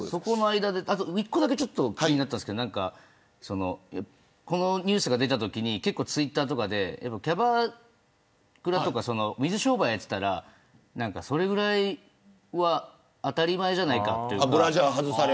一個だけ気になったんですけれどこのニュースが出たときにツイッターとかでキャバクラとか水商売やっていたらそれぐらいは当たり前じゃないかっていう。